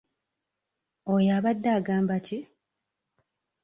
Oyo abadde agamba ki?